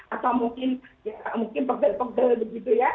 atau mungkin pegel pegel begitu ya